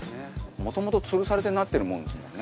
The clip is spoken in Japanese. もともと吊るされてなってるもんですもんね。